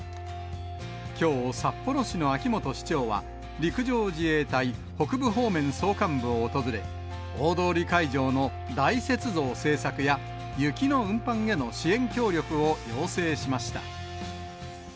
きょう、札幌市の秋元市長は、陸上自衛隊北部方面総監部を訪れ、大通会場の大雪像制作や、雪の運搬への支援協力を要請しました。